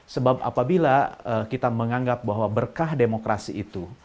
sebab apabila kita menganggap bahwa berkah demokrasi itu